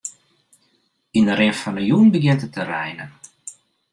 Yn 'e rin fan 'e jûn begjint it te reinen.